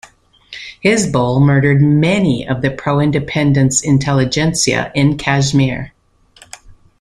Hizbul murdered many of the pro-independence intelligentsia in Kashmir.